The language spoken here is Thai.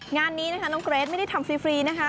งานนี้นะคะน้องเกรทไม่ได้ทำฟรีนะคะ